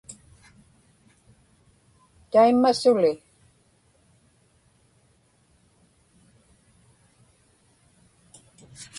taimma suli